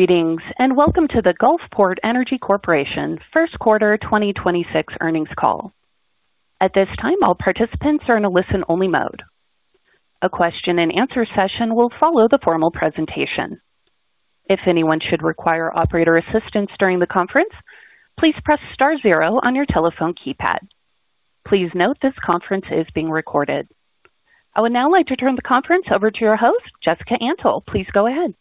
Greetings, and welcome to the Gulfport Energy Corporation Q1 2026 earnings call. At this time, all participants are in a listen-only mode. A question-and-answer session will follow the formal presentation. If anyone should require operator assistance during the conference, please press star zero on your telephone keypad. Please note this conference is being recorded. I would now like to turn the conference over to your host, Jessica Antle. Please go ahead.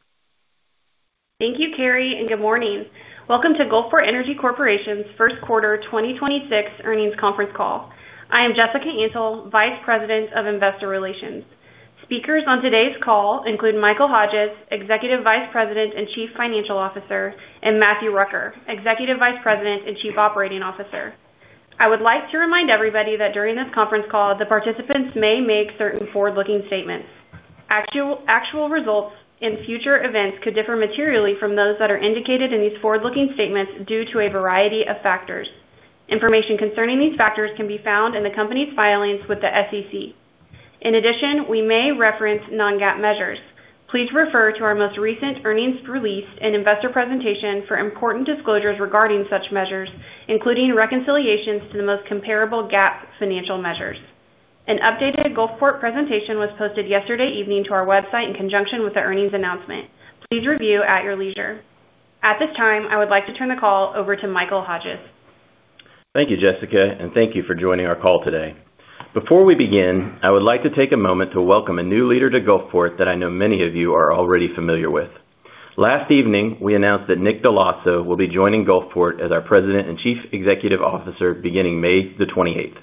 Thank you, Carrie. Good morning. Welcome to Gulfport Energy Corporation's Q1 2026 earnings conference call. I am Jessica Antle, Vice President of Investor Relations. Speakers on today's call include Michael Hodges, Executive Vice President and Chief Financial Officer, and Matthew Rucker, Executive Vice President and Chief Operating Officer. I would like to remind everybody that during this conference call, the participants may make certain forward-looking statements. Actual results in future events could differ materially from those that are indicated in these forward-looking statements due to a variety of factors. Information concerning these factors can be found in the company's filings with the SEC. In addition, we may reference non-GAAP measures. Please refer to our most recent earnings release and investor presentation for important disclosures regarding such measures, including reconciliations to the most comparable GAAP financial measures. An updated Gulfport presentation was posted yesterday evening to our website in conjunction with the earnings announcement. Please review at your leisure. At this time, I would like to turn the call over to Michael Hodges. Thank you, Jessica, and thank you for joining our call today. Before we begin, I would like to take a moment to welcome a new leader to Gulfport that I know many of you are already familiar with. Last evening, we announced that Domenic J. Dell'Osso, Jr. will be joining Gulfport as our President and Chief Executive Officer beginning May the 28th.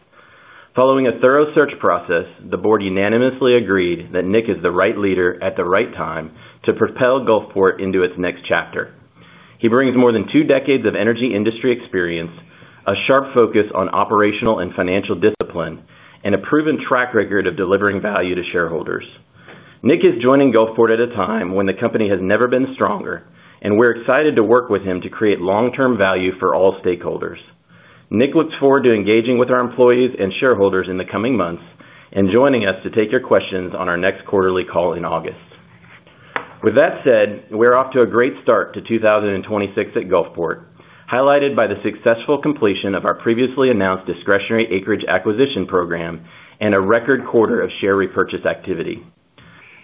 Following a thorough search process, the board unanimously agreed that Nick is the right leader at the right time to propel Gulfport into its next chapter. He brings more than two decades of energy industry experience, a sharp focus on operational and financial discipline, and a proven track record of delivering value to shareholders. Nick is joining Gulfport at a time when the company has never been stronger, and we're excited to work with him to create long-term value for all stakeholders. Nick looks forward to engaging with our employees and shareholders in the coming months and joining us to take your questions on our next quarterly call in August. With that said, we're off to a great start to 2026 at Gulfport, highlighted by the successful completion of our previously announced discretionary acreage acquisition program and a record quarter of share repurchase activity.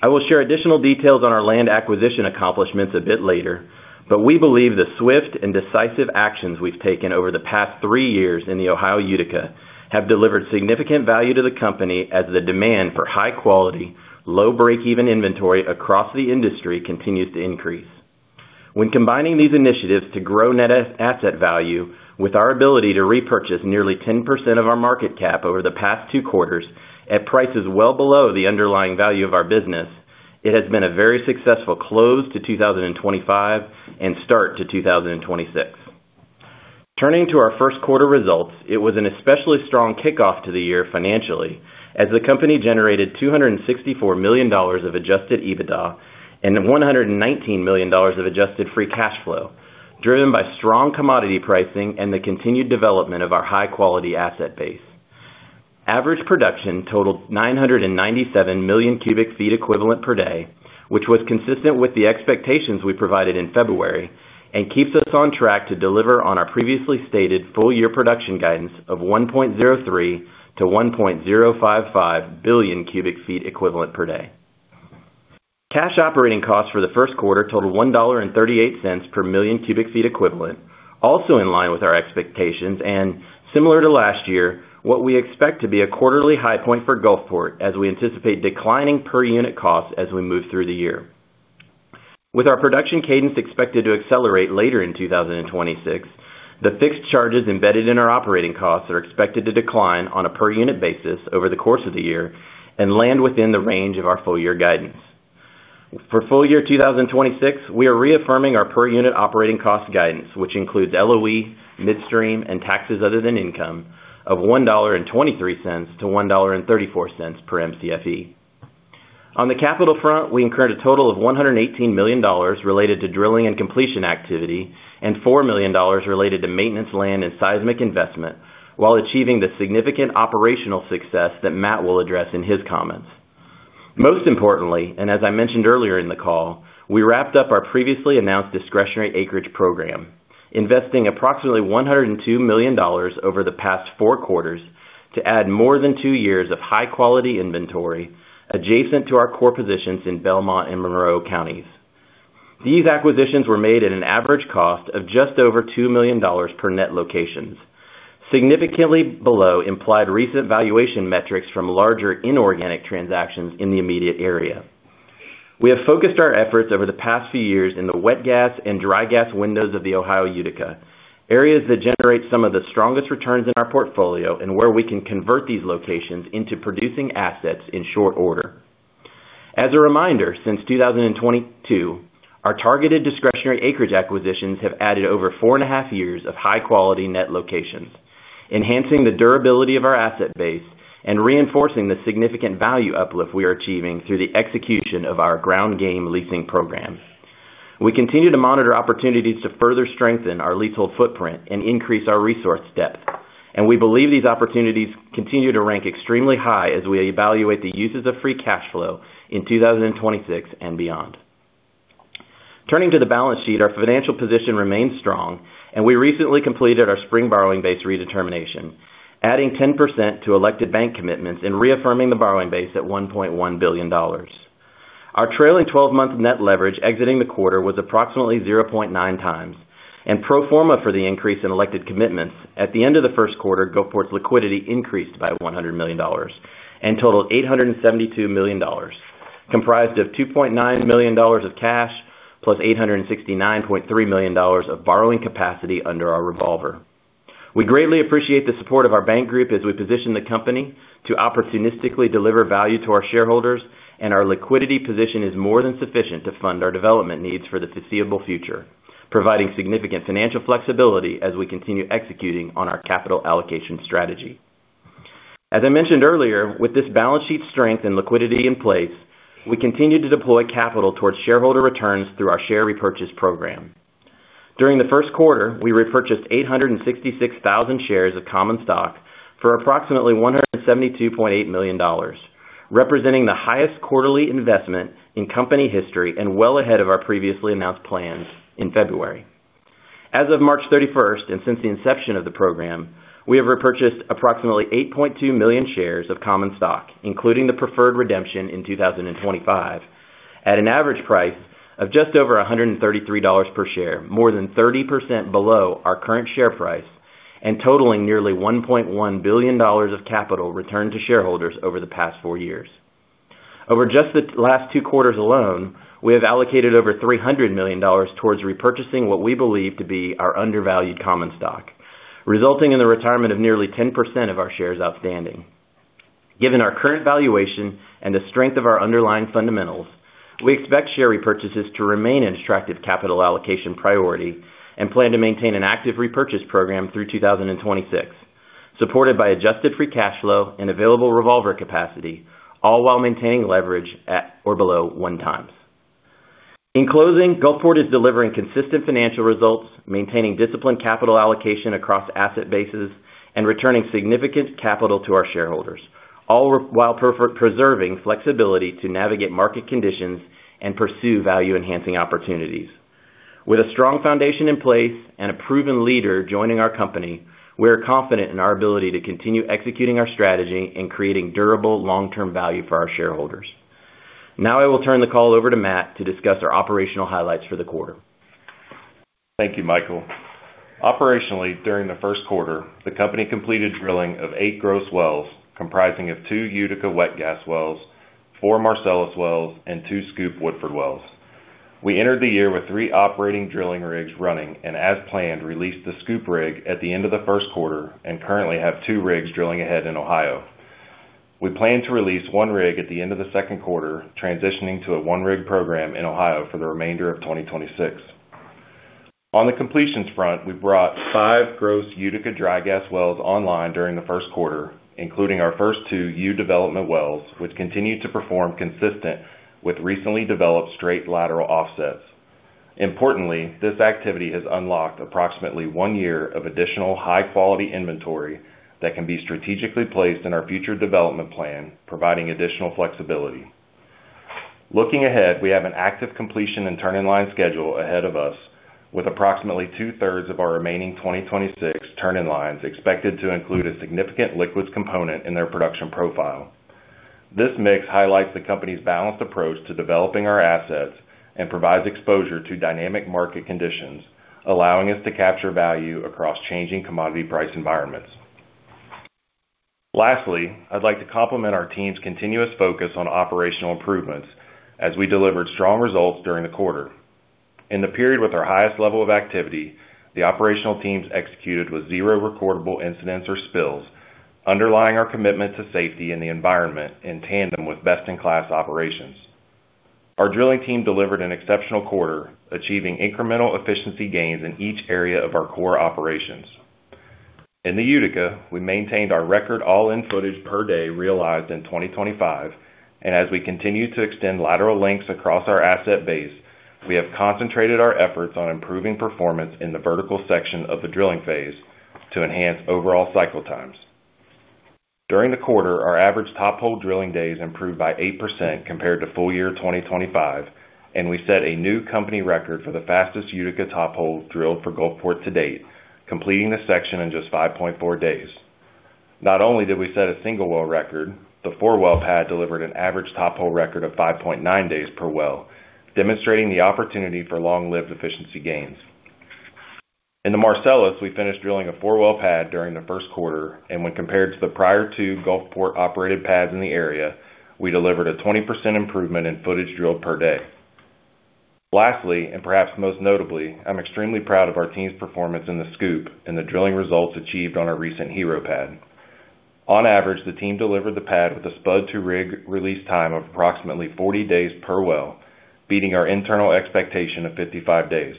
I will share additional details on our land acquisition accomplishments a bit later, but we believe the swift and decisive actions we've taken over the past three years in the Ohio Utica have delivered significant value to the company as the demand for high quality, low break-even inventory across the industry continues to increase. When combining these initiatives to grow net asset value with our ability to repurchase nearly 10% of our market cap over the past two quarters at prices well below the underlying value of our business, it has been a very successful close to 2025 and start to 2026. Turning to our Q1 results, it was an especially strong kickoff to the year financially as the company generated $264 million of adjusted EBITDA and $119 million of adjusted free cash flow, driven by strong commodity pricing and the continued development of our high-quality asset base. Average production totaled 997 million cubic feet equivalent per day, which was consistent with the expectations we provided in February and keeps us on track to deliver on our previously stated full-year production guidance of 1.03 billion-1.055 billion cubic feet equivalent per day. Cash operating costs for Q1 totaled $1.38 per million cubic feet equivalent, also in line with our expectations and similar to last year, what we expect to be a quarterly high point for Gulfport as we anticipate declining per unit costs as we move through the year. With our production cadence expected to accelerate later in 2026, the fixed charges embedded in our operating costs are expected to decline on a per unit basis over the course of the year and land within the range of our full year guidance. For full year 2026, we are reaffirming our per unit operating cost guidance, which includes LOE, midstream, and taxes other than income of $1.23 to $1.34 per Mcfe. On the capital front, we incurred a total of $118 million related to drilling and completion activity and $4 million related to maintenance, land, and seismic investment while achieving the significant operational success that Matt will address in his comments. Most importantly, as I mentioned earlier in the call, we wrapped up our previously announced discretionary acreage program, investing approximately $102 million over the past 4 quarters to add more than 2 years of high-quality inventory adjacent to our core positions in Belmont and Monroe counties. These acquisitions were made at an average cost of just over $2 million per net locations, significantly below implied recent valuation metrics from larger inorganic transactions in the immediate area. We have focused our efforts over the past few years in the wet gas and dry gas windows of the Ohio Utica, areas that generate some of the strongest returns in our portfolio and where we can convert these locations into producing assets in short order. As a reminder, since 2022, our targeted discretionary acreage acquisitions have added over 4.5 years of high-quality net locations, enhancing the durability of our asset base and reinforcing the significant value uplift we are achieving through the execution of our ground game leasing program. We continue to monitor opportunities to further strengthen our leasehold footprint and increase our resource depth. We believe these opportunities continue to rank extremely high as we evaluate the uses of free cash flow in 2026 and beyond. Turning to the balance sheet, our financial position remains strong, and we recently completed our spring borrowing base redetermination, adding 10% to elected bank commitments and reaffirming the borrowing base at $1.1 billion. Our trailing 12-month net leverage exiting the quarter was approximately 0.9 times. Pro forma for the increase in elected commitments, at the end of Q1, Gulfport's liquidity increased by $100 million and totaled $872 million, comprised of $2.9 million of cash plus $869.3 million of borrowing capacity under our revolver. We greatly appreciate the support of our bank group as we position the company to opportunistically deliver value to our shareholders, and our liquidity position is more than sufficient to fund our development needs for the foreseeable future, providing significant financial flexibility as we continue executing on our capital allocation strategy. As I mentioned earlier, with this balance sheet strength and liquidity in place, we continue to deploy capital towards shareholder returns through our share repurchase program. During the Q1, we repurchased 866,000 shares of common stock for approximately $172.8 million, representing the highest quarterly investment in company history and well ahead of our previously announced plans in February. As of March 31st, and since the inception of the program, we have repurchased approximately 8.2 million shares of common stock, including the preferred redemption in 2025, at an average price of just over $133 per share, more than 30% below our current share price, and totaling nearly $1.1 billion of capital returned to shareholders over the past four years. Over just the last two quarters alone, we have allocated over $300 million towards repurchasing what we believe to be our undervalued common stock, resulting in the retirement of nearly 10% of our shares outstanding. Given our current valuation and the strength of our underlying fundamentals, we expect share repurchases to remain an attractive capital allocation priority and plan to maintain an active repurchase program through 2026, supported by adjusted free cash flow and available revolver capacity, all while maintaining leverage at or below one time. In closing, Gulfport is delivering consistent financial results, maintaining disciplined capital allocation across asset bases, and returning significant capital to our shareholders, all while preserving flexibility to navigate market conditions and pursue value-enhancing opportunities. With a strong foundation in place and a proven leader joining our company, we are confident in our ability to continue executing our strategy and creating durable long-term value for our shareholders. Now I will turn the call over to Matt to discuss our operational highlights for the quarter. Thank you, Michael. Operationally, during the Q1, the company completed drilling of 8 gross wells comprising of two Utica wet gas wells, four Marcellus wells, and two SCOOP Woodford wells. We entered the year with three operating drilling rigs running. As planned, released the SCOOP rig at the end of the first quarter and currently have two rigs drilling ahead in Ohio. We plan to release one rig at the end of the second quarter, transitioning to a 1-rig program in Ohio for the remainder of 2026. On the completions front, we brought five gross Utica dry gas wells online during the first quarter, including our first 2 Utica development wells, which continue to perform consistent with recently developed straight lateral offsets. Importantly, this activity has unlocked approximately one year of additional high-quality inventory that can be strategically placed in our future development plan, providing additional flexibility. Looking ahead, we have an active completion and turn-in-line schedule ahead of us, with approximately two-thirds of our remaining 2026 turn-in-lines expected to include a significant liquids component in their production profile. This mix highlights the company's balanced approach to developing our assets and provides exposure to dynamic market conditions, allowing us to capture value across changing commodity price environments. Lastly, I'd like to compliment our team's continuous focus on operational improvements as we delivered strong results during the quarter. In the period with our highest level of activity, the operational teams executed with 0 recordable incidents or spills, underlying our commitment to safety and the environment in tandem with best-in-class operations. Our drilling team delivered an exceptional quarter, achieving incremental efficiency gains in each area of our core operations. In the Utica, we maintained our record all-in footage per day realized in 2025, and as we continue to extend lateral lengths across our asset base, we have concentrated our efforts on improving performance in the vertical section of the drilling phase to enhance overall cycle times. During the quarter, our average tophole drilling days improved by 8% compared to full year 2025, and we set a new company record for the fastest Utica tophole drilled for Gulfport to date, completing the section in just 5.4 days. Not only did we set a single well record, the four-well pad delivered an average top hole record of 5.9 days per well, demonstrating the opportunity for long-lived efficiency gains. In the Marcellus, we finished drilling a 4-well pad during the 1st quarter, and when compared to the prior two Gulfport-operated pads in the area, we delivered a 20% improvement in footage drilled per day. Lastly, and perhaps most notably, I'm extremely proud of our team's performance in the SCOOP and the drilling results achieved on our recent Hero pad. On average, the team delivered the pad with a spud to rig release time of approximately 40 days per well, beating our internal expectation of 55 days.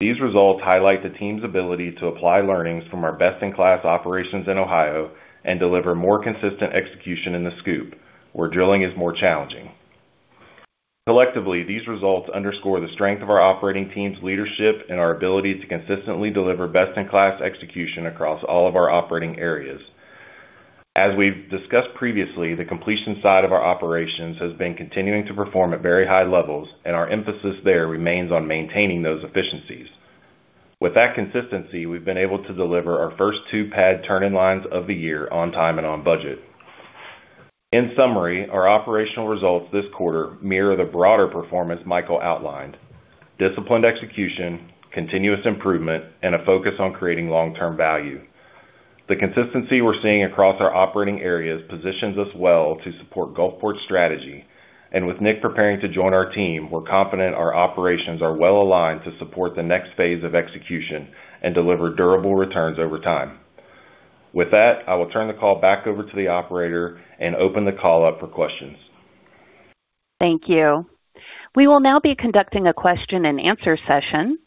These results highlight the team's ability to apply learnings from our best-in-class operations in Ohio and deliver more consistent execution in the SCOOP, where drilling is more challenging. Collectively, these results underscore the strength of our operating team's leadership and our ability to consistently deliver best-in-class execution across all of our operating areas. As we've discussed previously, the completion side of our operations has been continuing to perform at very high levels, and our emphasis there remains on maintaining those efficiencies. With that consistency, we've been able to deliver our first two pad turn-in-lines of the year on time and on budget. In summary, our operational results this quarter mirror the broader performance Michael outlined: disciplined execution, continuous improvement, and a focus on creating long-term value. The consistency we're seeing across our operating areas positions us well to support Gulfport's strategy. With Nick preparing to join our team, we're confident our operations are well aligned to support the next phase of execution and deliver durable returns over time. With that, I will turn the call back over to the operator and open the call up for questions. Thank you. We will now be conducting a question-and-answer session.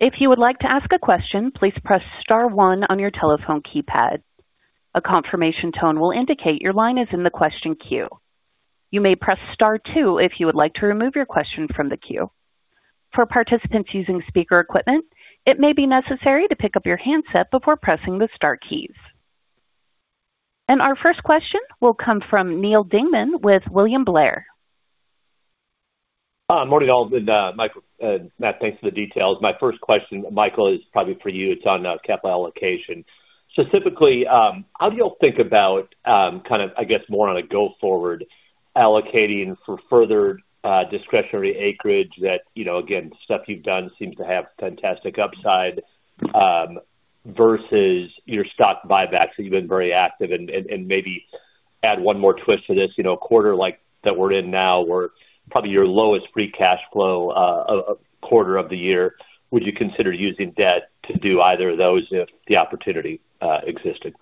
If you would like to ask a question, please press star one on your telephone keypad. A confirmation tone will indicate your line is in the question queue. You may press star two if you would like to remove your question from the queue. For participants using speaker equipment, it may be necessary to pick up your handset before pressing the star keys. Our first question will come from Neal Dingmann with William Blair. Morning all, Michael, Matt, thanks for the details. My first question, Michael, is probably for you. It's on capital allocation. Specifically, how do you all think about kind of, I guess, more on a go forward allocating for further discretionary acreage that, you know, again, stuff you've done seems to have fantastic upside versus your stock buyback. You've been very active and maybe add 1 more twist to this. You know, a quarter like that we're in now where probably your lowest free cash flow of quarter of the year. Would you consider using debt to do either of those if the opportunity existed?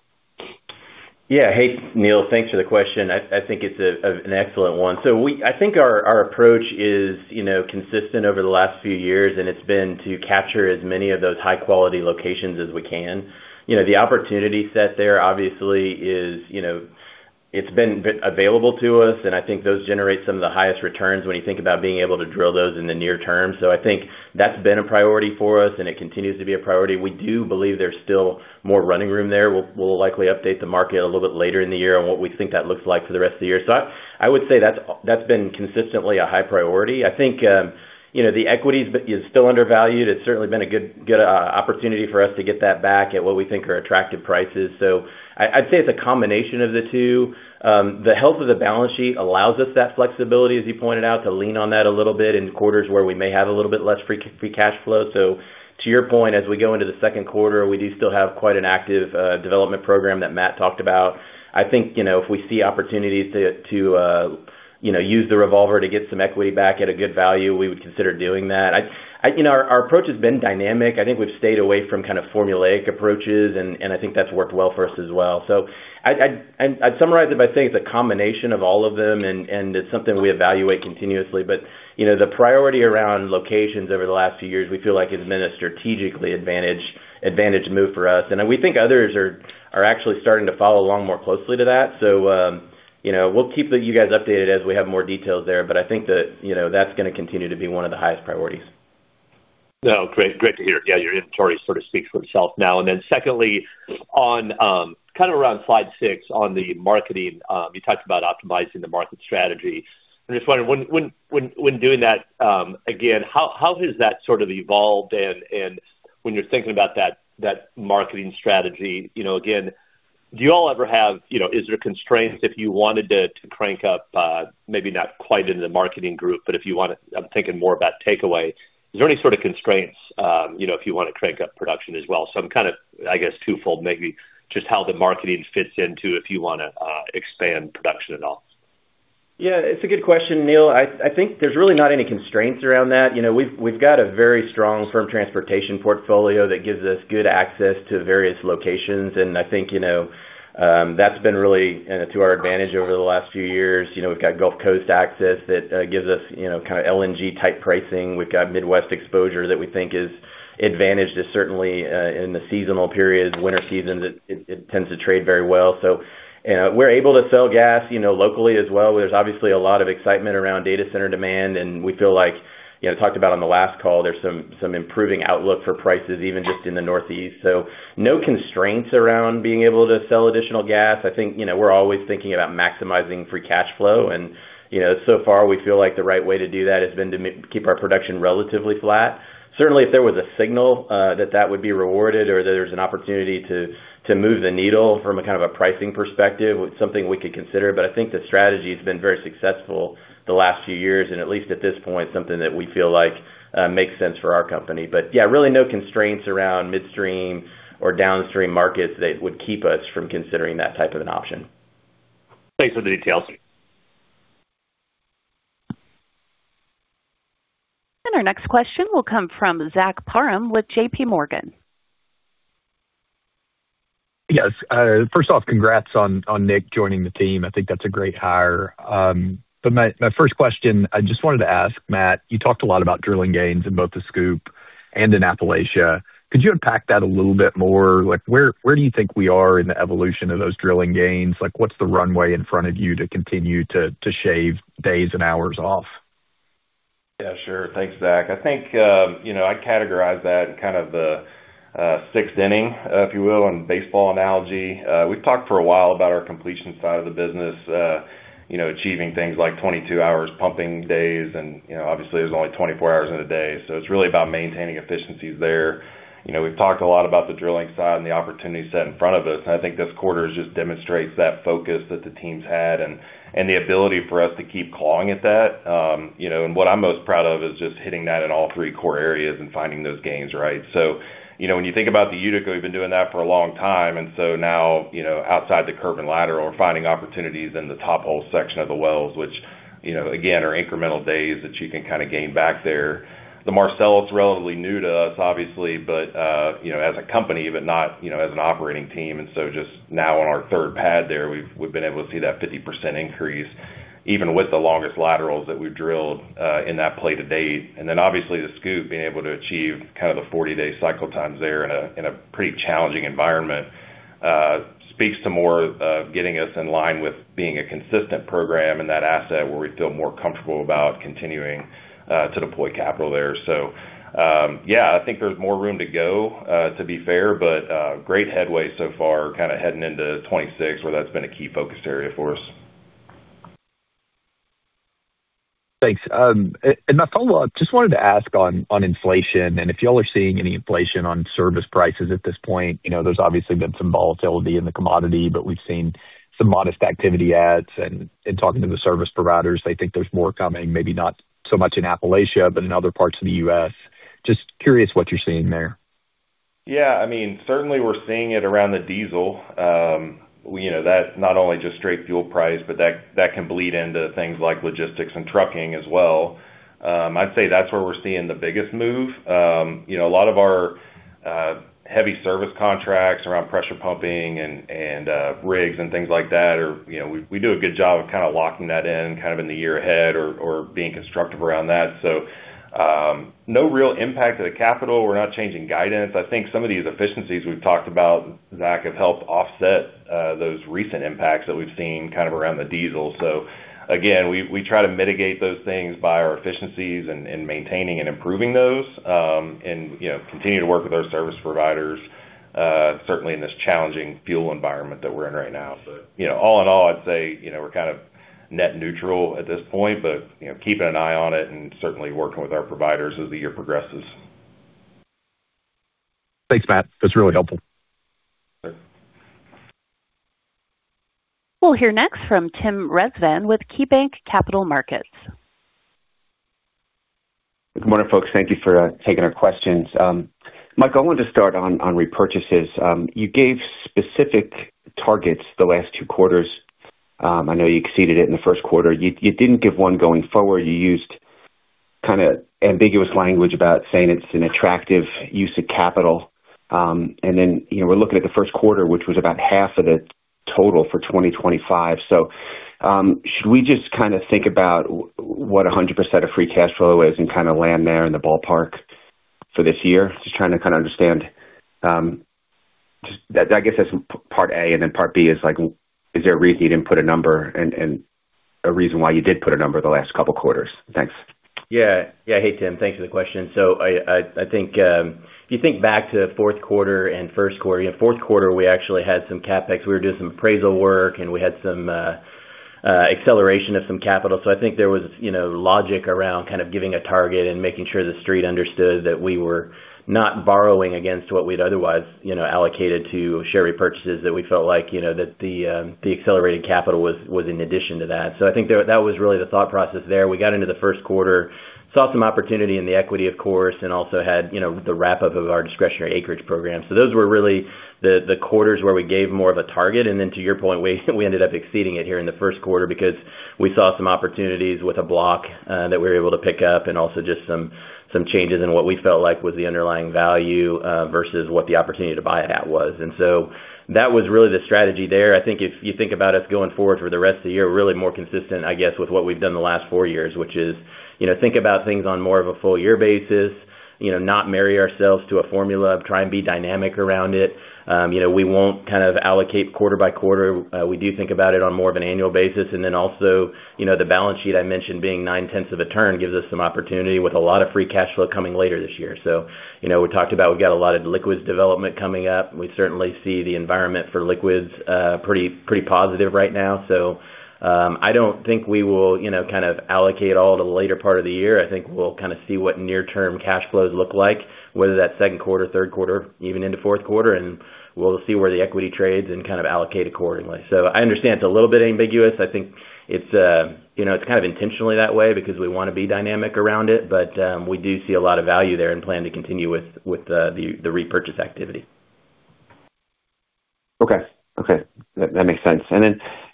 Hey, Neal, thanks for the question. I think it's an excellent one. I think our approach is, you know, consistent over the last few years, and it's been to capture as many of those high-quality locations as we can. You know, the opportunity set there obviously is, you know, it's been available to us, and I think those generate some of the highest returns when you think about being able to drill those in the near term. I think that's been a priority for us, and it continues to be a priority. We do believe there's still more running room there. We'll likely update the market a little bit later in the year on what we think that looks like for the rest of the year. I would say that's been consistently a high priority. I think, you know, the equities is still undervalued. It's certainly been a good opportunity for us to get that back at what we think are attractive prices. I'd say it's a combination of the two. The health of the balance sheet allows us that flexibility, as you pointed out, to lean on that a little bit in quarters where we may have a little bit less free cash flow. To your point, as we go into the second quarter, we do still have quite an active development program that Matt talked about. I think, you know, if we see opportunities to use the revolver to get some equity back at a good value, we would consider doing that. I'd, you know, our approach has been dynamic. I think we've stayed away from kind of formulaic approaches, and I think that's worked well for us as well. I'd summarize it by saying it's a combination of all of them, and it's something we evaluate continuously. You know, the priority around locations over the last few years, we feel like has been a strategically advantaged move for us. We think others are actually starting to follow along more closely to that. You know, we'll keep you guys updated as we have more details there. I think that, you know, that's gonna continue to be one of the highest priorities. No, great to hear. Yeah, your inventory sort of speaks for itself now. Secondly, on kind of around slide six on the marketing, you talked about optimizing the market strategy. I'm just wondering when doing that, again, how has that sort of evolved? When you're thinking about that marketing strategy, you know, again, do you all ever, you know, is there constraints if you wanted to crank up, maybe not quite in the marketing group, but if you wanna, I'm thinking more about takeaway. Is there any sort of constraints, you know, if you wanna crank up production as well? I'm kind of, I guess, twofold, maybe just how the marketing fits into if you wanna expand production at all. Yeah, it's a good question, Neal. I think there's really not any constraints around that. You know, we've got a very strong firm transportation portfolio that gives us good access to various locations, and I think, you know, that's been really to our advantage over the last few years. You know, we've got Gulf Coast access that gives us, you know, kind of LNG-type pricing. We've got Midwest exposure that we think is advantaged, certainly, in the seasonal periods, winter season that it tends to trade very well. We're able to sell gas, you know, locally as well. There's obviously a lot of excitement around data center demand, we feel like, you know, talked about on the last call, there's some improving outlook for prices even just in the Northeast. No constraints around being able to sell additional gas. I think, you know, we're always thinking about maximizing free cash flow, and you know, so far, we feel like the right way to do that has been to keep our production relatively flat. Certainly, if there was a signal, that that would be rewarded or that there's an opportunity to move the needle from a kind of a pricing perspective, something we could consider. I think the strategy has been very successful the last few years, and at least at this point, something that we feel like makes sense for our company. Yeah, really no constraints around midstream or downstream markets that would keep us from considering that type of an option. Thanks for the details. Our next question will come from Zach Parham with JPMorgan. Yes. First off, congrats on Nick joining the team. I think that's a great hire. My first question, I just wanted to ask, Matt, you talked a lot about drilling gains in both the SCOOP and in Appalachia. Could you unpack that a little bit more? Like, where do you think we are in the evolution of those drilling gains? Like, what's the runway in front of you to continue to shave days and hours off? Sure. Thanks, Zach. I think, you know, I'd categorize that in kind of the sixth inning, if you will, on baseball analogy. We've talked for a while about our completion side of the business, you know, achieving things like 22 hours pumping days and, you know, obviously there's only 24 hours in a day. It's really about maintaining efficiencies there. You know, we've talked a lot about the drilling side and the opportunity set in front of us, and I think this quarter just demonstrates that focus that the team's had and the ability for us to keep clawing at that. You know, what I'm most proud of is just hitting that in all three core areas and finding those gains, right? You know, when you think about the Utica, we've been doing that for a long time, and so now, you know, outside the curve and lateral, we're finding opportunities in the top hole section of the wells, which, you know, again, are incremental days that you can kind of gain back there. The Marcellus is relatively new to us, obviously, but, you know, as a company, but not, you know, as an operating team. Just now in our third pad there, we've been able to see that 50% increase even with the longest laterals that we've drilled in that play to date. Obviously the SCOOP being able to achieve kind of the 40-day cycle times there in a pretty challenging environment speaks to more of getting us in line with being a consistent program in that asset where we feel more comfortable about continuing to deploy capital there. Yeah, I think there's more room to go to be fair, great headway so far, kind of heading into 2026, where that's been a key focus area for us. Thanks. My follow-up, just wanted to ask on inflation and if you all are seeing any inflation on service prices at this point. You know, there's obviously been some volatility in the commodity, we've seen some modest activity adds, in talking to the service providers, they think there's more coming, maybe not so much in Appalachia, but in other parts of the U.S. Just curious what you're seeing there? I mean, certainly we're seeing it around the diesel. You know, that's not only just straight fuel price, but that can bleed into things like logistics and trucking as well. I'd say that's where we're seeing the biggest move. You know, a lot of our heavy service contracts around pressure pumping and rigs and things like that are, you know, we do a good job of kind of locking that in, kind of in the year ahead or being constructive around that. No real impact to the capital. We're not changing guidance. I think some of these efficiencies we've talked about, Zach, have helped offset those recent impacts that we've seen kind of around the diesel. Again, we try to mitigate those things via our efficiencies and maintaining and improving those, and, you know, continue to work with our service providers, certainly in this challenging fuel environment that we're in right now. All in all, I'd say, you know, we're kind of net neutral at this point, you know, keeping an eye on it and certainly working with our providers as the year progresses. Thanks, Matt. That's really helpful. Sure. We'll hear next from Tim Rezvan with KeyBanc Capital Markets. Good morning, folks. Thank you for taking our questions. Mike, I wanted to start on repurchases. You gave specific targets the last two quarters. I know you exceeded it in the first quarter. You didn't give one going forward. You used kind of ambiguous language about saying it's an attractive use of capital. You know, we're looking at the first quarter, which was about half of the total for 2025. Should we just kind of think about what 100% of free cash flow is and kind of land there in the ballpark for this year? Just trying to kind of understand. I guess that's part A, and then part B is like, is there a reason you didn't put a number and a reason why you did put a number the last couple quarters? Thanks. Yeah. Yeah. Hey, Tim. Thanks for the question. I think if you think back to the fourth quarter and first quarter, you know, fourth quarter, we actually had some CapEx. We were doing some appraisal work, and we had some acceleration of some capital. I think there was, you know, logic around kind of giving a target and making sure the street understood that we were not borrowing against what we'd otherwise, you know, allocated to share repurchases, that we felt like, you know, that the accelerated capital was in addition to that. I think that was really the thought process there. We got into the first quarter, saw some opportunity in the equity, of course, and also had, you know, the wrap-up of our discretionary acreage program. Those were really the quarters where we gave more of a target. Then to your point, we ended up exceeding it here in the first quarter because we saw some opportunities with a block that we were able to pick up and also just some changes in what we felt like was the underlying value versus what the opportunity to buy it at was. That was really the strategy there. I think if you think about us going forward for the rest of the year, really more consistent, I guess, with what we've done the last four years, which is, you know, think about things on more of a full year basis, you know, not marry ourselves to a formula of try and be dynamic around it. You know, we won't kind of allocate quarter by quarter. We do think about it on more of an annual basis. You know, the balance sheet I mentioned being nine-tenths of a turn gives us some opportunity with a lot of free cash flow coming later this year. You know, we talked about we got a lot of liquids development coming up. We certainly see the environment for liquids, pretty positive right now. I don't think we will, you know, kind of allocate all to the later part of the year. I think we'll kind of see what near-term cash flows look like, whether that's Q2, Q3, even into Q4, and we'll see where the equity trades and kind of allocate accordingly. I understand it's a little bit ambiguous. I think it's, you know, it's kind of intentionally that way because we wanna be dynamic around it, but we do see a lot of value there and plan to continue with the repurchase activity. Okay. Okay. That, that makes sense.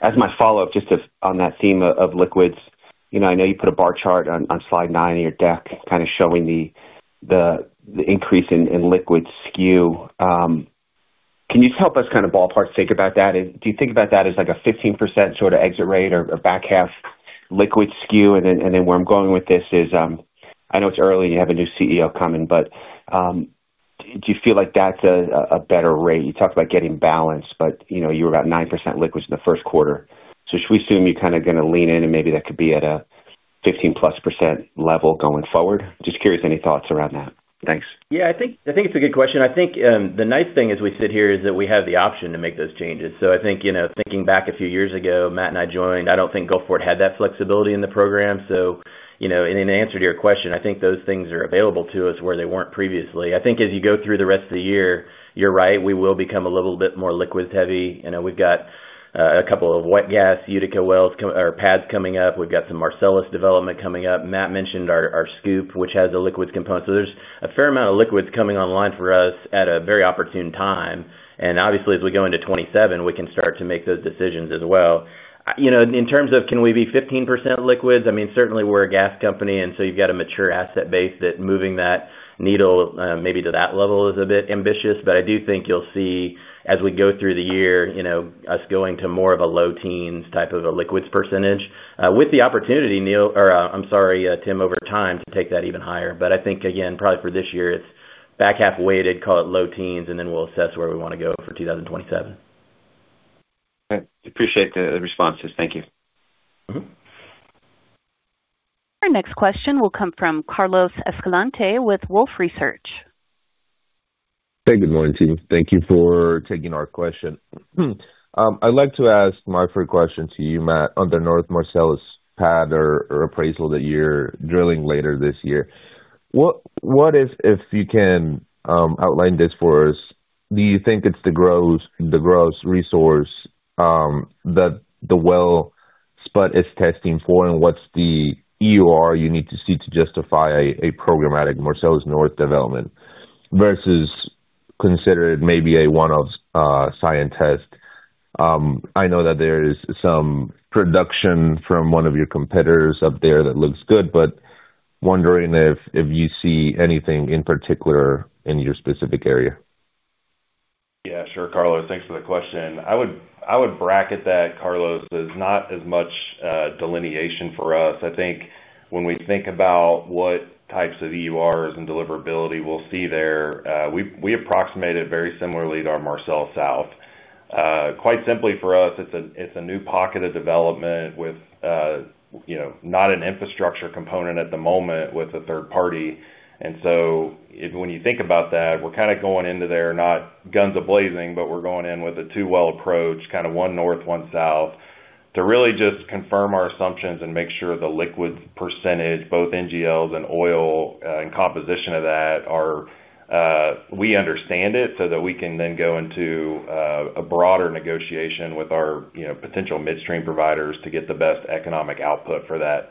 As my follow-up, just on that theme of liquids, you know, I know you put a bar chart on slide nine of your deck kind of showing the increase in liquid skew. Can you just help us kind of ballpark think about that? Do you think about that as like a 15% sort of exit rate or back half liquid skew? Where I'm going with this is, I know it's early and you have a new CEO coming, but do you feel like that's a better rate? You talked about getting balanced, but, you know, you were about 9% liquids in Q1. Should we assume you're kind of going to lean in and maybe that could be at a 15%+ level going forward? Just curious, any thoughts around that? Thanks. I think it's a good question. The nice thing as we sit here is that we have the option to make those changes. I think, you know, thinking back a few years ago, Matt and I joined, I don't think Gulfport had that flexibility in the program. You know, in answer to your question, I think those things are available to us where they weren't previously. As you go through the rest of the year, you're right, we will become a little bit more liquids heavy. You know, we've got a couple of wet gas Utica wells or pads coming up. We've got some Marcellus development coming up. Matt mentioned our SCOOP, which has a liquids component. There's a fair amount of liquids coming online for us at a very opportune time. As we go into 2027, we can start to make those decisions as well. You know, in terms of can we be 15% liquids, I mean, certainly we're a gas company, you've got a mature asset base that moving that needle, maybe to that level is a bit ambitious. I do think you'll see, as we go through the year, you know, us going to more of a low teens type of a liquids percentage, with the opportunity, Neal, or, I'm sorry, Tim, over time to take that even higher. Probably for this year it's back half weighted, call it low teens, we'll assess where we wanna go for 2027. Okay. Appreciate the responses. Thank you. Our next question will come from Carlos Escalante with Wolfe Research. Hey, good morning, team. Thank you for taking our question. I'd like to ask my first question to you, Matt. On the North Marcellus pad or appraisal that you're drilling later this year, what if you can outline this for us, do you think it's the gross resource that the well spot is testing for? What's the EUR you need to see to justify a programmatic Marcellus North development versus considered maybe a one-off science test? I know that there is some production from one of your competitors up there that looks good, but wondering if you see anything in particular in your specific area. Yeah, sure, Carlos. Thanks for the question. I would bracket that, Carlos. There's not as much delineation for us. I think when we think about what types of EURs and deliverability we'll see there, we approximate it very similarly to our Marcellus South. Quite simply for us, it's a new pocket of development with, you know, not an infrastructure component at the moment with a third party. When you think about that, we're kind of going into there not guns a-blazing, we're going in with a 2-well approach, kind of one north, one south, to really just confirm our assumptions and make sure the liquids percentage, both NGLs and oil, and composition of that are, we understand it so that we can then go into a broader negotiation with our, you know, potential midstream providers to get the best economic output for that,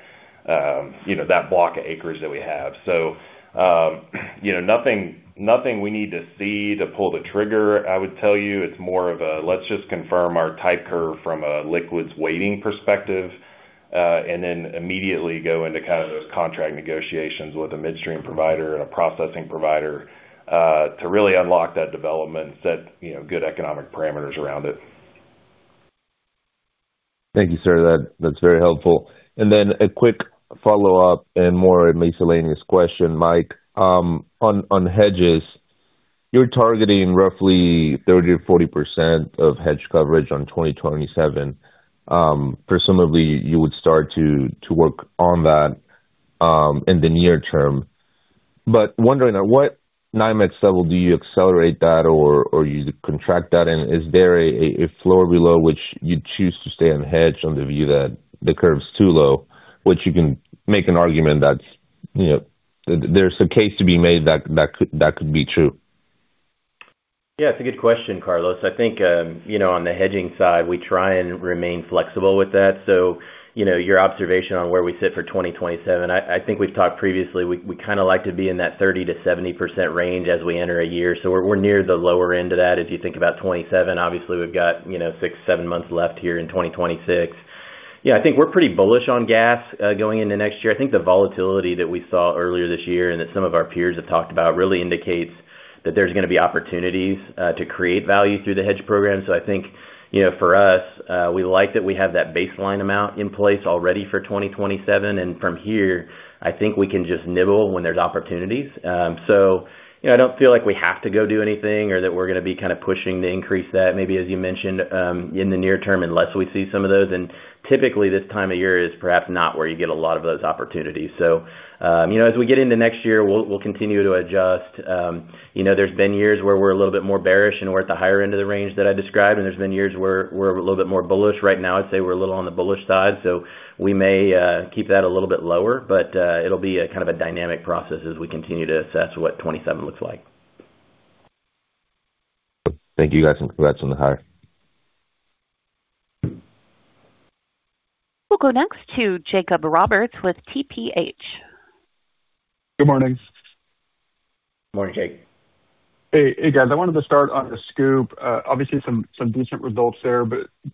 you know, that block of acreage that we have. Nothing we need to see to pull the trigger, I would tell you. It's more of a let's just confirm our type curve from a liquids weighting perspective, and then immediately go into kind of those contract negotiations with a midstream provider and a processing provider, to really unlock that development and set, you know, good economic parameters around it. Thank you, sir. That's very helpful. A quick follow-up and more a miscellaneous question, Mike. On hedges, you're targeting roughly 30%-40% of hedge coverage on 2027. Presumably you would start to work on that in the near term. Wondering at what 9-month level do you accelerate that or you contract that? Is there a floor below which you'd choose to stay unhedged on the view that the curve's too low, which you can make an argument that's, you know, there's a case to be made that could be true. Yeah, it's a good question, Carlos. I think, you know, on the hedging side, we try and remain flexible with that. Your observation on where we sit for 2027, I think we've talked previously, we kind of like to be in that 30%-70% range as we enter a year. We're near the lower end of that as you think about 27. Obviously, we've got, you know, six, seven months left here in 2026. I think we're pretty bullish on gas going into next year. I think the volatility that we saw earlier this year and that some of our peers have talked about really indicates that there's gonna be opportunities to create value through the hedge program. I think, you know, for us, we like that we have that baseline amount in place already for 2027, and from here, I think we can just nibble when there's opportunities. You know, I don't feel like we have to go do anything or that we're gonna be kind of pushing to increase that maybe as you mentioned, in the near term, unless we see some of those. Typically, this time of year is perhaps not where you get a lot of those opportunities. You know, as we get into next year, we'll continue to adjust. You know, there's been years where we're a little bit more bearish, and we're at the higher end of the range that I described, and there's been years where we're a little bit more bullish. Right now, I'd say we're a little on the bullish side, so we may keep that a little bit lower. It'll be a kind of a dynamic process as we continue to assess what 2027 looks like. Thank you, guys, and congrats on the hire. We'll go next to Jacob Roberts with TPH. Good morning. Morning, Jake. Hey. Hey, guys. I wanted to start on the SCOOP. Obviously some decent results there.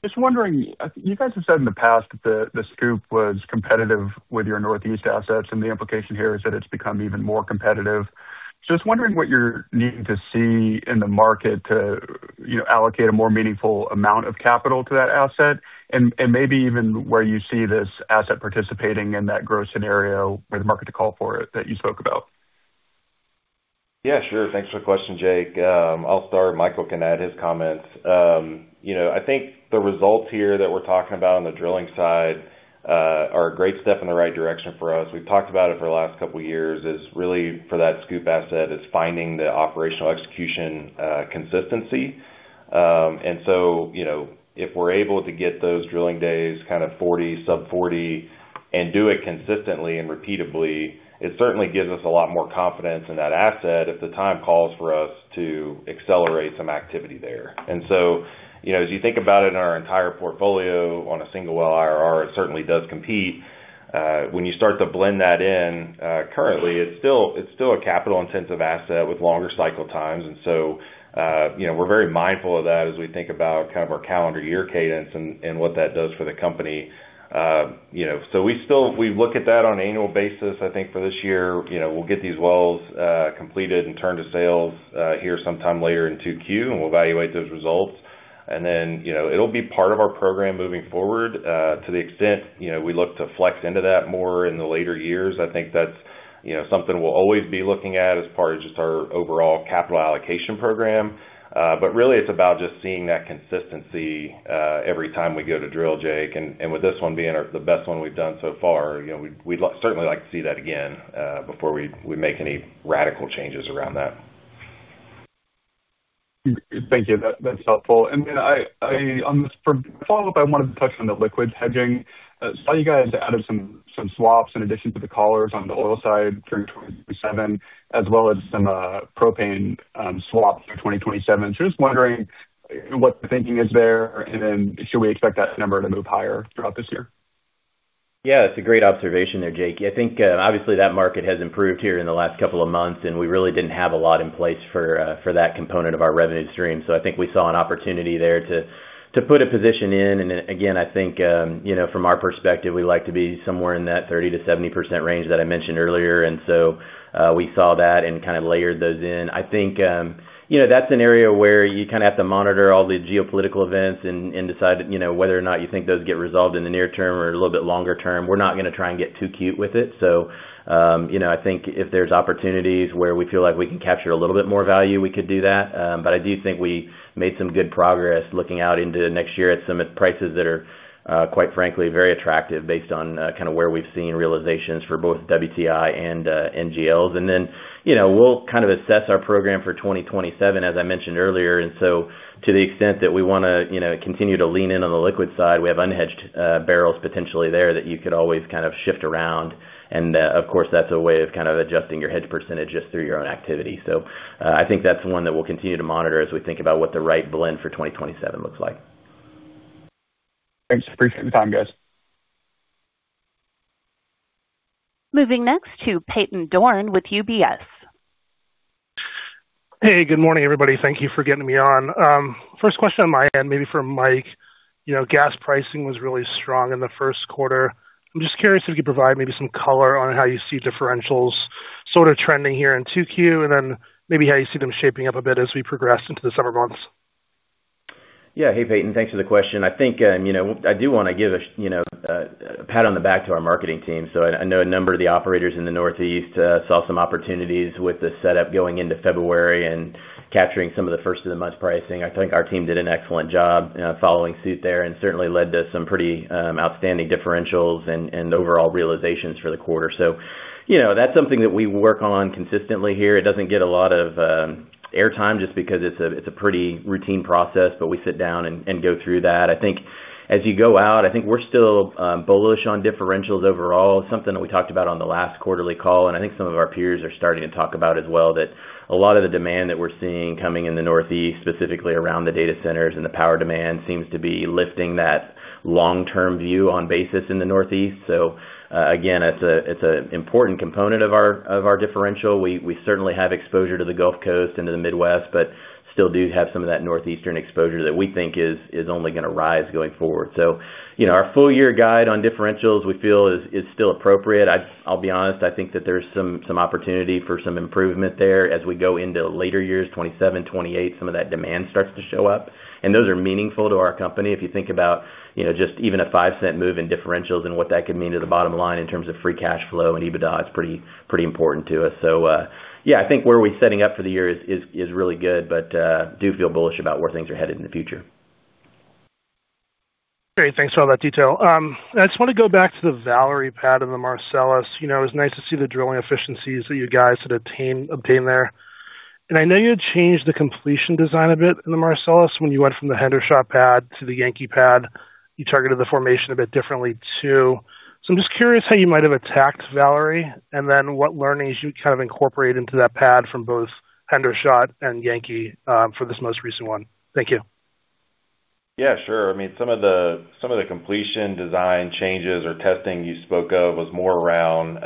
Just wondering, you guys have said in the past that the SCOOP was competitive with your Northeast assets, and the implication here is that it's become even more competitive. Just wondering what you're needing to see in the market to, you know, allocate a more meaningful amount of capital to that asset and maybe even where you see this asset participating in that growth scenario or the market to call for it that you spoke about. Yeah, sure. Thanks for the question, Jake. I'll start, Michael can add his comments. You know, I think the results here that we're talking about on the drilling side, are a great step in the right direction for us. We've talked about it for the last couple of years, is really for that SCOOP asset, it's finding the operational execution, consistency. You know, if we're able to get those drilling days kind of 40, sub 40 and do it consistently and repeatably, it certainly gives us a lot more confidence in that asset if the time calls for us to accelerate some activity there. You know, as you think about it in our entire portfolio on a single well IRR, it certainly does compete. When you start to blend that in, currently it's still, it's still a capital-intensive asset with longer cycle times. You know, we're very mindful of that as we think about kind of our calendar year cadence and what that does for the company. You know, we look at that on an annual basis. I think for this year, you know, we'll get these wells completed and turn to sales here sometime later in 2Q, and we'll evaluate those results. You know, it'll be part of our program moving forward to the extent, you know, we look to flex into that more in the later years. I think that's, you know, something we'll always be looking at as far as just our overall capital allocation program. Really it's about just seeing that consistency every time we go to drill, Jake. With this one being the best one we've done so far, you know, we'd certainly like to see that again before we make any radical changes around that. Thank you. That's helpful. On this for follow-up, I wanted to touch on the liquids hedging. Saw you guys added some swaps in addition to the collars on the oil side during 2027, as well as some propane swaps through 2027. Just wondering what the thinking is there, and then should we expect that number to move higher throughout this year? Yeah, it's a great observation there, Jake. I think, obviously that market has improved here in the last couple of months, and we really didn't have a lot in place for that component of our revenue stream. I think we saw an opportunity there to put a position in. Again, I think, you know, from our perspective, we like to be somewhere in that 30%-70% range that I mentioned earlier. We saw that and kind of layered those in. I think, you know, that's an area where you kind of have to monitor all the geopolitical events and decide, you know, whether or not you think those get resolved in the near term or a little bit longer term. We're not gonna try and get too cute with it. You know, I think if there's opportunities where we feel like we can capture a little bit more value, we could do that. I do think we made some good progress looking out into next year at some prices that are quite frankly very attractive based on kind of where we've seen realizations for both WTI and NGLs. You know, we'll kind of assess our program for 2027, as I mentioned earlier. To the extent that we want to, you know, continue to lean in on the liquid side, we have unhedged barrels potentially there that you could always kind of shift around. Of course, that's a way of kind of adjusting your hedge percentage through your own activity. I think that's one that we'll continue to monitor as we think about what the right blend for 2027 looks like. Thanks. Appreciate the time, guys. Moving next to Peyton Dorne with UBS. Hey, good morning, everybody. Thank you for getting me on. First question on my end, maybe for Mike. You know, gas pricing was really strong in Q1. I'm just curious if you could provide maybe some color on how you see differentials sort of trending here in 2Q, and then maybe how you see them shaping up a bit as we progress into the summer months. Yeah. Hey, Peyton. Thanks for the question. I think, you know, I do wanna give a, you know, a pat on the back to our marketing team. I know a number of the operators in the Northeast saw some opportunities with the setup going into February and capturing some of the first of the month pricing. I think our team did an excellent job following suit there and certainly led to some pretty outstanding differentials and overall realizations for the quarter. You know, that's something that we work on consistently here. It doesn't get a lot of airtime just because it's a pretty routine process, but we sit down and go through that. I think as you go out, I think we're still bullish on differentials overall. It's something that we talked about on the last quarterly call, I think some of our peers are starting to talk about as well, that a lot of the demand that we're seeing coming in the Northeast, specifically around the data centers and the power demand, seems to be lifting that long-term view on basis in the Northeast. Again, it's an important component of our differential. We certainly have exposure to the Gulf Coast and to the Midwest, but still do have some of that Northeastern exposure that we think is only gonna rise going forward. You know, our full year guide on differentials, we feel is still appropriate. I'll be honest, I think that there's some opportunity for some improvement there as we go into later years, 27, 28, some of that demand starts to show up. Those are meaningful to our company. If you think about, you know, just even a $0.05 move in differentials and what that could mean to the bottom line in terms of free cash flow and EBITDA, it's pretty important to us. Yeah, I think where we're setting up for the year is really good, do feel bullish about where things are headed in the future. Great. Thanks for all that detail. I just wanna go back to the Valor pad in the Marcellus. You know, it was nice to see the drilling efficiencies that you guys had obtained there. I know you had changed the completion design a bit in the Marcellus when you went from the Hendershot pad to the Yankee pad. You targeted the formation a bit differently too. I'm just curious how you might have attacked Valor pad, and then what learnings you kind of incorporate into that pad from both Hendershot and Yankee for this most recent one. Thank you. Yeah, sure. I mean, some of the, some of the completion design changes or testing you spoke of was more around,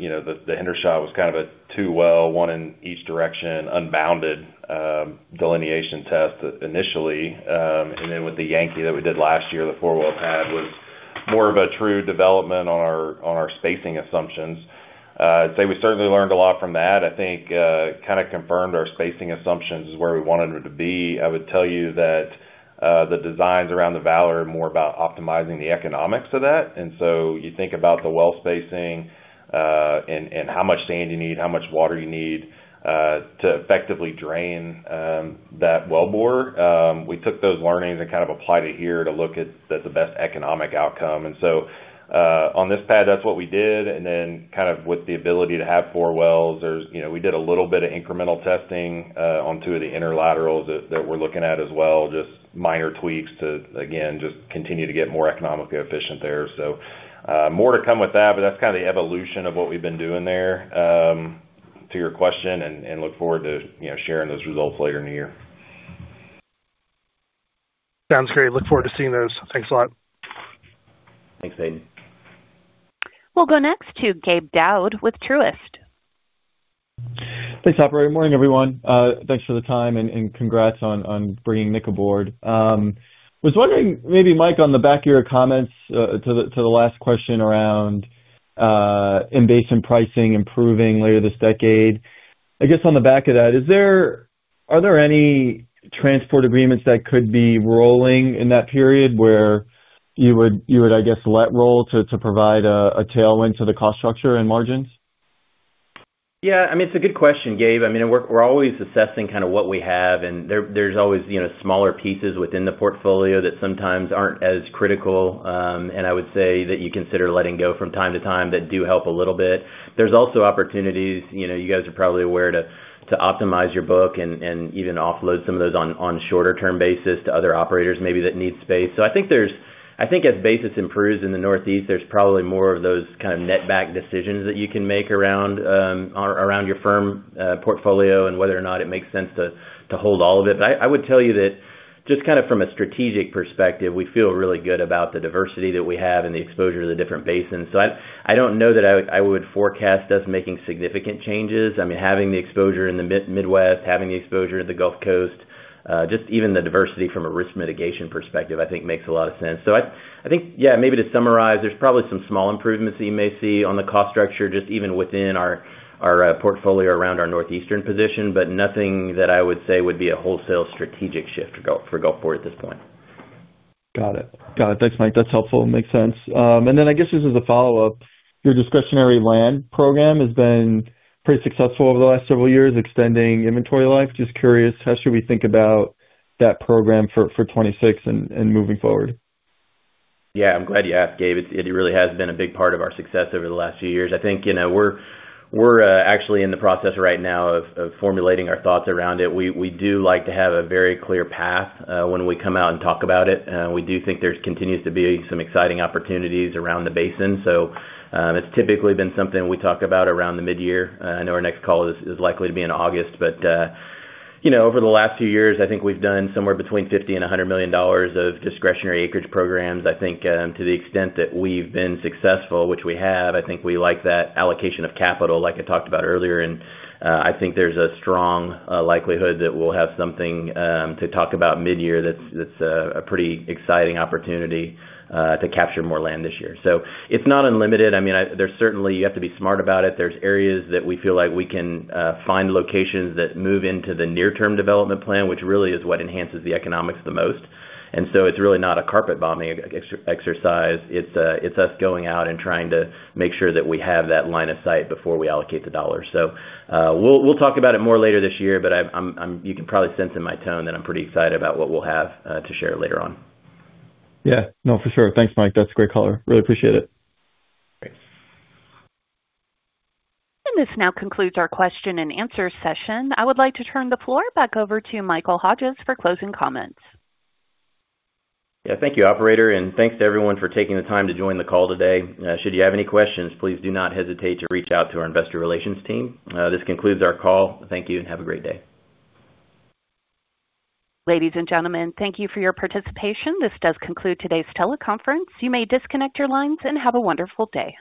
you know, the Hendershot was kind of a 2 well, one in each direction, unbounded, delineation test initially. Then with the Yankee that we did last year, the 4-well pad was more of a true development on our, on our spacing assumptions. I'd say we certainly learned a lot from that. I think, kind of confirmed our spacing assumptions is where we wanted it to be. I would tell you that, the designs around the Valor are more about optimizing the economics of that. You think about the well spacing, and how much sand you need, how much water you need, to effectively drain, that wellbore. We took those learnings and kind of applied it here to look at the best economic outcome. On this pad, that's what we did. Kind of with the ability to have four wells, there's, you know, we did a little bit of incremental testing, on two of the inner laterals that we're looking at as well, just minor tweaks to again, just continue to get more economically efficient there. More to come with that, but that's kind of the evolution of what we've been doing there, to your question and look forward to, you know, sharing those results later in the year. Sounds great. Look forward to seeing those. Thanks a lot. Thanks, Peyton Dorne. We'll go next to Gabe Daoud with Truist. Thanks, operator. Morning, everyone. Thanks for the time and congrats on bringing Nick aboard. Was wondering maybe, Mike, on the back of your comments to the last question around in basin pricing improving later this decade. I guess on the back of that, are there any transport agreements that could be rolling in that period where you would, I guess, let roll to provide a tailwind to the cost structure and margins? Yeah, I mean, it's a good question, Gabe. I mean, we're always assessing kind of what we have, and there's always, you know, smaller pieces within the portfolio that sometimes aren't as critical. I would say that you consider letting go from time to time that do help a little bit. There's also opportunities, you know, you guys are probably aware to optimize your book and even offload some of those on shorter term basis to other operators maybe that need space. I think as basis improves in the Northeast, there's probably more of those kind of netback decisions that you can make around your firm portfolio and whether or not it makes sense to hold all of it. I would tell you that just kind of from a strategic perspective, we feel really good about the diversity that we have and the exposure to the different basins. I don't know that I would forecast us making significant changes. I mean, having the exposure in the mid-Midwest, having the exposure to the Gulf Coast, just even the diversity from a risk mitigation perspective, I think makes a lot of sense. I think, yeah, maybe to summarize, there's probably some small improvements that you may see on the cost structure, just even within our portfolio around our Northeastern position, but nothing that I would say would be a wholesale strategic shift for Gulfport at this point. Got it. Got it. Thanks, Mike. That's helpful. Makes sense. I guess just as a follow-up, your discretionary land program has been pretty successful over the last several years, extending inventory life. Just curious, how should we think about that program for 2026 and moving forward? Yeah, I'm glad you asked, Gabe. It really has been a big part of our success over the last few years. I think, you know, we're actually in the process right now of formulating our thoughts around it. We do like to have a very clear path when we come out and talk about it. We do think there continues to be some exciting opportunities around the basin. It's typically been something we talk about around the mid-year. I know our next call is likely to be in August. You know, over the last few years, I think we've done somewhere between $50 million and $100 million of discretionary acreage programs. I think, to the extent that we've been successful, which we have, I think we like that allocation of capital like I talked about earlier. I think there's a strong likelihood that we'll have something to talk about mid-year that's a pretty exciting opportunity to capture more land this year. It's not unlimited. I mean, there's certainly you have to be smart about it. There's areas that we feel like we can find locations that move into the near-term development plan, which really is what enhances the economics the most. It's really not a carpet bombing exercise. It's us going out and trying to make sure that we have that line of sight before we allocate the dollars. We'll talk about it more later this year, but I'm you can probably sense in my tone that I'm pretty excited about what we'll have to share later on. Yeah. No, for sure. Thanks, Mike. That's a great color. Really appreciate it. Thanks. This now concludes our question and answer session. I would like to turn the floor back over to Michael Hodges for closing comments. Yeah. Thank you, operator, and thanks to everyone for taking the time to join the call today. Should you have any questions, please do not hesitate to reach out to our investor relations team. This concludes our call. Thank you, and have a great day. Ladies and gentlemen, thank you for your participation. This does conclude today's teleconference. You may disconnect your lines and have a wonderful day.